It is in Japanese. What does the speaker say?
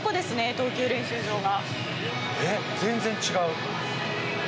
投球練習場が。